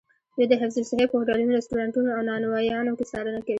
دوی د حفظ الصحې په هوټلونو، رسټورانتونو او نانوایانو کې څارنه کوي.